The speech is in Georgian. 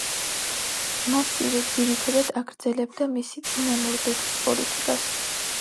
მასირე ძირითადად აგრძელებდა მისი წინამორბედის პოლიტიკას.